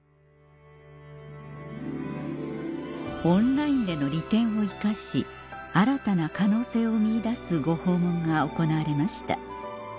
オンラインでの利点を生かし新たな可能性を見いだすご訪問が行われました